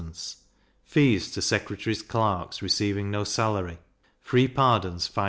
Fees to secretary's clerks, receiving no salary: free pardons 5s.